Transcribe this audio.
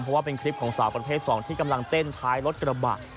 เพราะว่าเป็นคลิปของสาวประเภท๒ที่กำลังเต้นท้ายรถกระบะ